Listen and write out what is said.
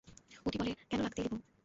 মতি বলে, কেন লাগতে এলি বৌ?